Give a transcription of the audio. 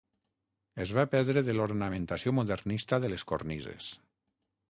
Es va perdre de l'ornamentació modernista de les cornises.